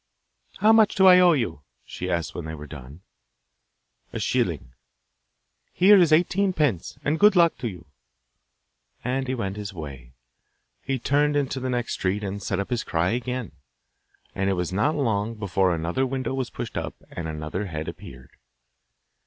'How much do I owe you?' she asked when they were done. 'A shilling.' 'Here is eighteen pence, and good luck to you.' And he went his way. He turned into the next street and set up his cry again, and it was not long before another window was pushed up and another head appeared.